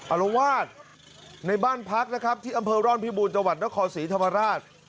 อารวาสในบ้านพักนะครับที่อำเภอร่อนพิบูรณ์จังหวัดนครศรีธรรมราช